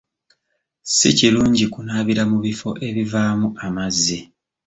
Si kirungi kunaabira mu bifo ebivaamu amazzi.